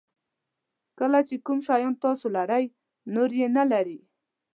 کله چې کوم شیان تاسو لرئ نور یې نه لري.